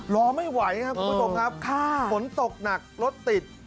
รอไม่ไหวครับคุณผู้ชมครับฝนตกหนักรถติด